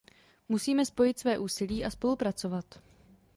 Musíme spojit své úsilí a spolupracovat.